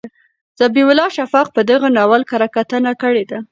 ذبیح الله شفق په دغه ناول کره کتنه کړې ده.